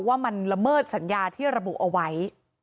ว่ามันละเมิดสัญญาที่ระบุเอาไว้